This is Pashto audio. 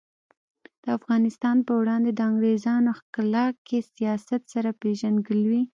د افغانستان په وړاندې د انګریزانو ښکیلاکي سیاست سره پیژندګلوي.